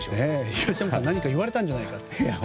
東山さん、何か言われたんじゃないかって。